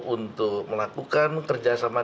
untuk melakukan kerjasama